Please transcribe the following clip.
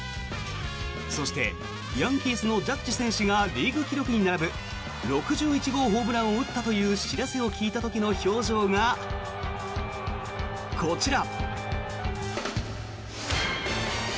そしてヤンキースのジャッジ選手がリーグ記録に並ぶ６１号ホームランを打ったという知らせを聞いた時の表情がこちら。